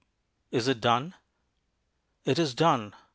IS IT DONE? It is done!